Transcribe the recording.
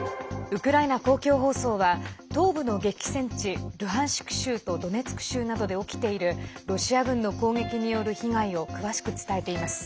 ウクライナ公共放送は東部の激戦地、ルハンシク州とドネツク州などで起きているロシア軍の攻撃による被害を詳しく伝えています。